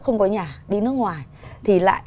không có nhà đi nước ngoài thì lại